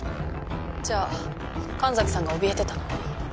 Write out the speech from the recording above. じゃあ神崎さんがおびえてたのは。